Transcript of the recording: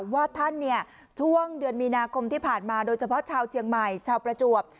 ว่าท่านเนี่ยช่วงเดือนมีนาคมที่ผ่านมาโดยเฉพาะชาวเชียงใหม่ชาวประจวบ